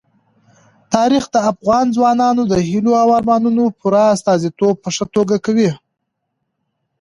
تاریخ د افغان ځوانانو د هیلو او ارمانونو پوره استازیتوب په ښه توګه کوي.